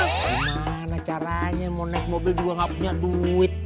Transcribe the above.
gimana caranya mau naik mobil juga nggak punya duit